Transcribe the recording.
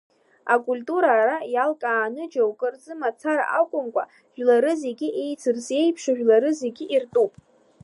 Акультура ара, иалкааны џьоукы рзы мацара акәымкәа, жәлары зегьы еицырзеиԥшуп, жәлары зегьы иртәуп.